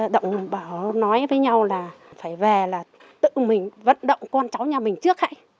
đồng bảo nói với nhau là phải về là tự mình vận động con cháu nhà mình trước hãy